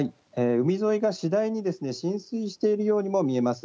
海沿いが次第に浸水しているようにも見えます。